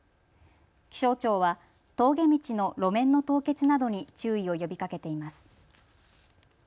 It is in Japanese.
気象庁は峠道の路面の凍結などに注意を呼びかけています。